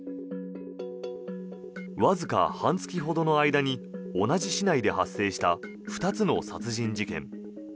わずか半月ほどの間に同じ市内で発生した２つの殺人事件。